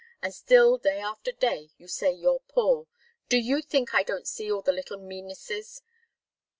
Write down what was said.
And still, day after day, you say you're poor. Do you think I don't see all the little meannesses?